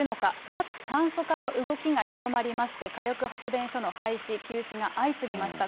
脱炭素化の動きが広まりまして、火力発電所の廃止・休止が相次ぎました。